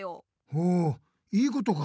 ほいいことか！